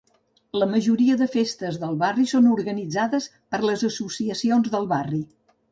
La majoria de festes del barri són organitzades per les associacions del barri.